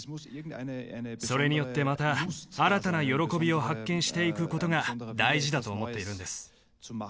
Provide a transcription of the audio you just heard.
それによってまた新たな喜びを発見していく事が大事だと思っているんです。